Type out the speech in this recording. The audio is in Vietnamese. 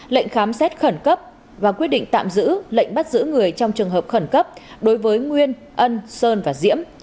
lệnh khám xét khẩn cấp và quyết định tạm giữ lệnh bắt giữ người trong trường hợp khẩn cấp đối với nguyên ân sơn và diễm